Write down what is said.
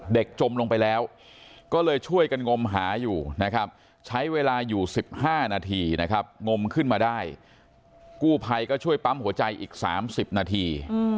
จมลงไปแล้วก็เลยช่วยกันงมหาอยู่นะครับใช้เวลาอยู่๑๕นาทีนะครับงมขึ้นมาได้กู้ภัยก็ช่วยปั๊มหัวใจอีก๓๐นาที